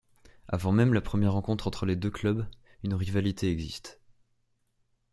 Avant même la première rencontre entre les deux clubs, une rivalité existe.